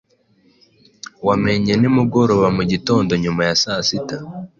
Wamenye nimugorobamugitondonyuma ya saa sita